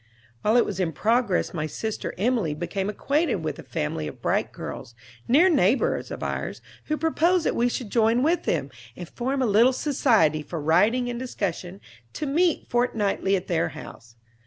While it was in progress my sister Emilie became acquainted with a family of bright girls, near neighbors of ours, who proposed that we should join with them, and form a little society for writing and discussion, to meet fortnightly at their house.